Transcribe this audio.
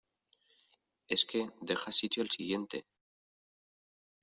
es que deja sitio al siguiente.